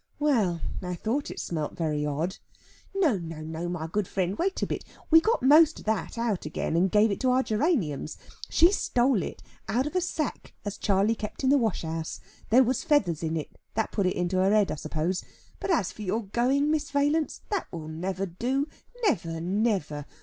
Well, I thought it smelt very odd." "No, no, my good friend, wait a bit. We got most of that out again, and gave it to our geraniums. She stole it out of a sack as Charley kept in the washhouse. There was feathers in it. That put it into her head, I suppose. But as for your going, Miss Valence, that will never do. Never, never.